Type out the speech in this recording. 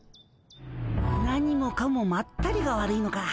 何もかもまったりが悪いのか。